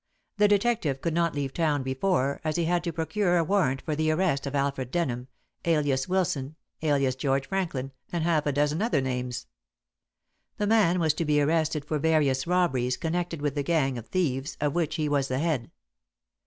The detective could not leave town before, as he had to procure a warrant for the arrest of Alfred Denham, alias Wilson, alias George Franklin, and half a dozen other names. The man was to be arrested for various robberies connected with the gang of thieves, of which he was the head.